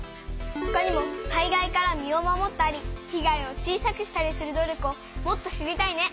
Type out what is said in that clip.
ほかにも災害から身を守ったり被害を小さくしたりする努力をもっと知りたいね！